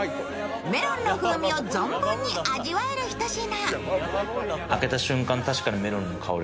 メロンの風味を存分に味わえるひと品。